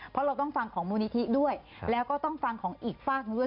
เพราะเราต้องฟังของมูลนิธิด้วยแล้วก็ต้องฟังของอีกฝากหนึ่งด้วย